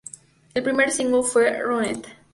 El primer single fue "Run It!